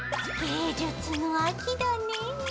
芸術の秋だねぇ。